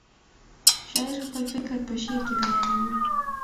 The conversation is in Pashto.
شاعر خپل فکر په شعر کې بیانوي.